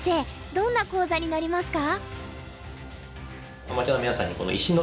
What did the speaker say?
どんな講座になりますか？